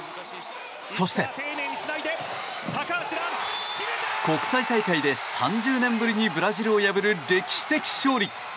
そして、国際大会で３０年ぶりにブラジルを破る歴史的勝利。